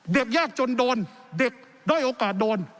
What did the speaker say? ยากจนโดนเด็กด้อยโอกาสโดน